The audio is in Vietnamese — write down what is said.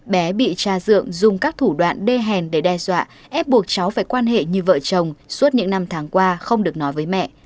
bé bị cha dượng dùng các thủ đoạn đê hèn để đe dọa ép buộc cháu phải quan hệ như vợ chồng suốt những năm tháng qua không được nói với mẹ